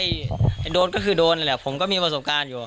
โดนก็คือโดนนั่นแหละผมก็มีประสบการณ์อยู่